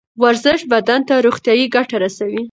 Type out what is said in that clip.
ورزش بدن ته روغتیایی ګټه رسوي